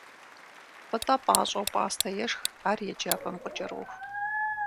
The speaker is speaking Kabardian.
Пӏытӏэ пӏащӏэу пӏастэ ешх, ар еджапӏэм къыкӏэроху.